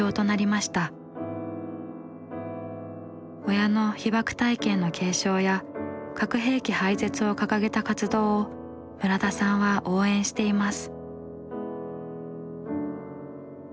親の被爆体験の継承や核兵器廃絶を掲げた活動を村田さんは応援しています。